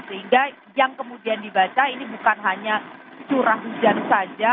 sehingga yang kemudian dibaca ini bukan hanya curah hujan saja